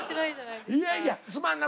いやいやすまんな。